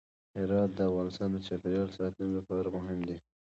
هرات د افغانستان د چاپیریال ساتنې لپاره مهم دی.